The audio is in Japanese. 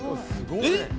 えっ？